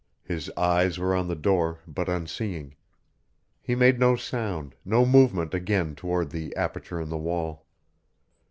His eyes were on the door, but unseeing. He made no sound, no movement again toward the aperture in the wall.